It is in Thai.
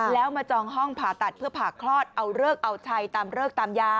แล้วมาจองห้องผ่าตัดเพื่อผ่าคลอดเอาเลิกเอาชัยตามเลิกตามยา